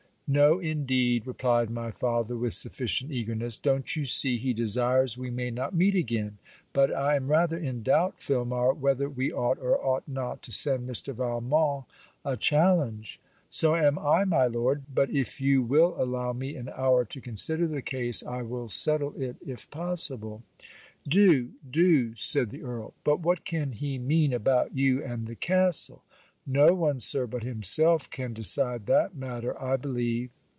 'No indeed,' replied my father with sufficient eagerness. 'Don't you see he desires we may not meet again. But I am rather in doubt, Filmar, whether we ought or ought not to send Mr. Valmont a challenge?' 'So am I, my Lord; but if your will allow me an hour to consider the case I will settle it if possible.' 'Do do!' said the Earl. 'But what can he mean about you and the castle?' 'No one, Sir, but himself can decide that matter, I believe.'